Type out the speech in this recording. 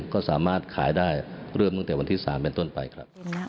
ก็สามารถขายได้เริ่มตั้งแต่วันที่๓เป็นต้นไปครับ